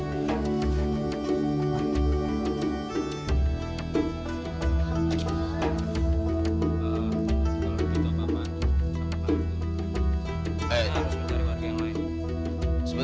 sebentar kau medi dan budak disini